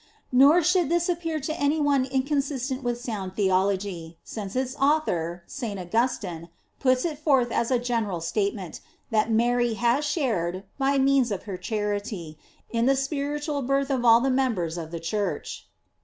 Nor should this appear to any one inconsistent with sound theology, since its au thor, St. Augustine, puts it forth as a general statement, that Mary has shared, by means of her charity, in the spiritual birth of all the mem bers of the Church.